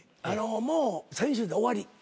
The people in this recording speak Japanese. もう先週で終わり。